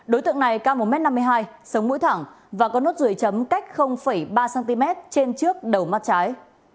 đối tượng này cao một m năm mươi hai sống mũi thẳng và có nốt ruồi chấm cách ba cm trên trước đầu mắt trái